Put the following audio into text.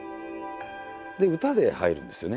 で歌で入るんですよね。